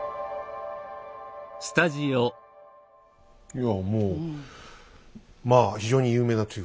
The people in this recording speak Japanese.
いやもうまあ非常に有名なというかねえ？